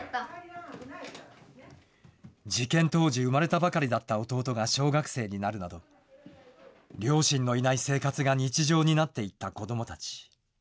事件当時、生まれたばかりだった弟が小学生になるなど、両親のいない生活が日常になっていった子どもたち。